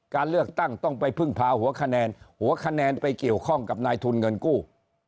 การเลือกตั้งต้องไปพึ่งพาหัวคะแนนหัวคะแนนไปเกี่ยวข้องกับนายทุนเงินกู้